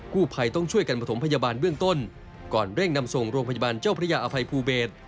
ผู้ภัยต้องช่วยกันประถมพยาบาลเบื้องต้นก่อนเร่งนำส่งโรงพยาบาลเจ้าพระยาอภัยภูเบศ